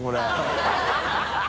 ハハハ